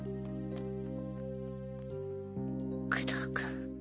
工藤君。